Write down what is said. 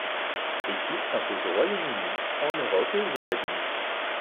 L'équipe s'impose au Royaume-Uni, en Europe et aux États-Unis.